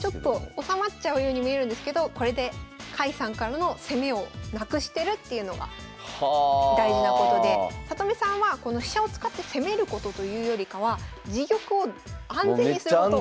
おさまっちゃうように見えるんですけどこれで甲斐さんからの攻めをなくしてるっていうのが大事なことで里見さんはこの飛車を使って攻めることというよりかは自玉を安全にすること。